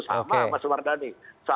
sama mas mardani